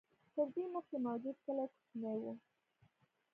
تر دې مخکې موجود کلي کوچني و.